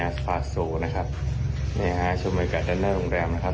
อัสฟาโซนะครับนี่ฮะชมโอกาสด้านหน้าโรงแรมนะครับ